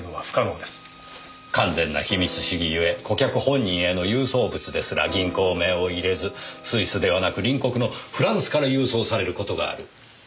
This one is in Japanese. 完全な秘密主義ゆえ顧客本人への郵送物ですら銀行名を入れずスイスではなく隣国のフランスから郵送される事がある。